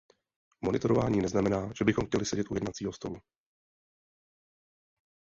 Monitorování neznamená, že bychom chtěli sedět u jednacího stou.